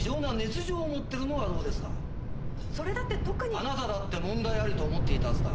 あなただって問題ありと思っていたはずだ。